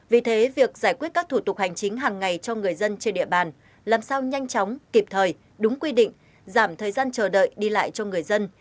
vì thế việc giải quyết các thủ tục hành chính hàng ngày cho người dân trên địa bàn làm sao nhanh chóng kịp thời đúng quy định giảm thời gian chờ đợi đi lại cho người dân